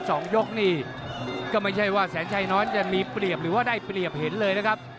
อย่างนี้ก็ไม่ใช่ว่าแสนชัยน้อยก็จะได้เปรียบเห็นเลยนะครับ